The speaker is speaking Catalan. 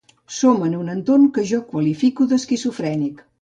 Som en un entorn que jo qualifico d’esquizofrènic.